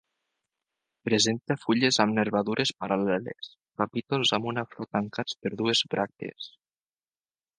Presenta fulles amb nervadures paral·leles, capítols amb una flor tancats per dues bràctees.